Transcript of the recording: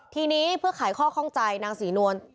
ทีนี้เพื่อขายข้อข้องใจนางศรีนวล